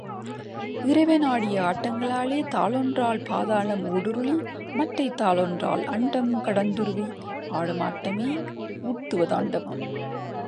இறைவன் ஆடிய ஆட்டங்களாலே தாளொன்றால் பாதாளம் ஊடுருலி, மற்றைத் தாளொன்றால் அண்டம் கடந்துருவி ஆடும் ஆட்டமே ஊர்த்துவ தாண்டவம்.